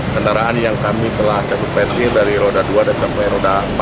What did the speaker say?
satu ratus dua puluh lima kendaraan yang kami telah cabut pentil dari roda dua sampai roda empat